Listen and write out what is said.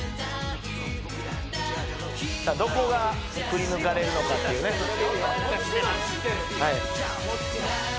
さあどこがくりぬかれるのかっていうねえっ？